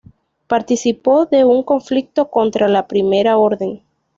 Participó de su conflicto contra la Primera Orden.